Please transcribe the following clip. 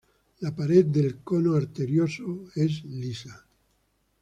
La pared del "cono arterioso" es lisa.